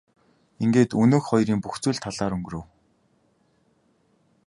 Ингээд өнөөх хоёрын бүх зүйл талаар өнгөрөв.